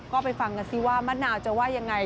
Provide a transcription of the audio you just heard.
ก็ไปฟังกันสิว่ามะนาวจะว่ายังไง